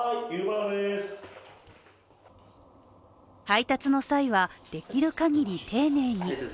配達の際は、できるかぎり丁寧に。